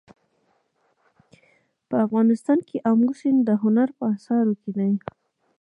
په افغانستان کې آمو سیند د هنر په اثار کې دی.